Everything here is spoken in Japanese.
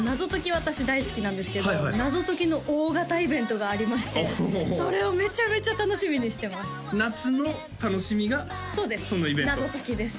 私大好きなんですけど謎解きの大型イベントがありましておおそれをめちゃめちゃ楽しみにしてます夏の楽しみがそのイベントそうです謎解きです